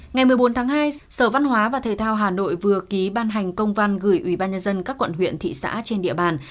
ngày một mươi bốn tháng hai sở văn hóa và thể thao hà nội vừa ký ban hành công văn gửi ubnd các quận huyện thị xã trên địa bàn